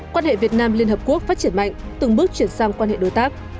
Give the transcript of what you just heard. quan hệ việt nam liên hợp quốc phát triển mạnh từng bước chuyển sang quan hệ đối tác